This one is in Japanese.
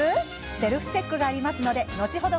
セルフチェックがありますので後ほど